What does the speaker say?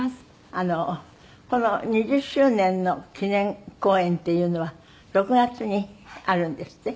この２０周年の記念公演っていうのは６月にあるんですって？